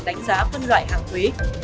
tánh giá phân loại hàng quý